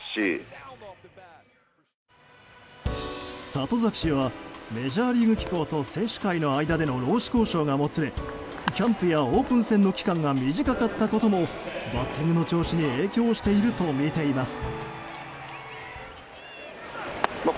里崎氏はメジャーリーグ機構と選手会の間での労使交渉がもつれキャンプやオープン戦の期間が短かったこともバッティングの調子に影響しているとみています。